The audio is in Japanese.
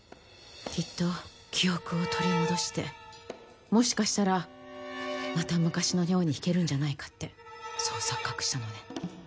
きっと記憶を取り戻してもしかしたらまた昔のように弾けるんじゃないかってそう錯覚したのね。